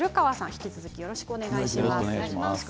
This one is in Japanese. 引き続きよろしくお願いします。